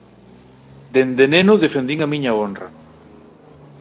Dende neno defendín a miña honra.